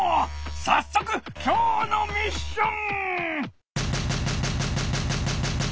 さっそくきょうのミッション！